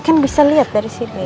kan bisa lihat dari sini